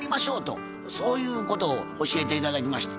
そういうことを教えて頂きました。